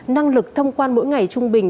năng lực thông quan mỗi ngày trung bình